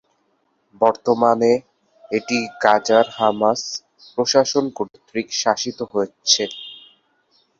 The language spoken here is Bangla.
বর্তমানে এটি গাজার হামাস প্রশাসন কর্তৃক শাসিত হচ্ছে।